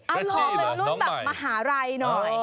ขอเป็นรุ่นแบบมหาลัยหน่อย